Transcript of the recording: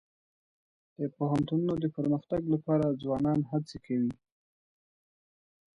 د پوهنتونونو د پرمختګ لپاره ځوانان هڅي کوي.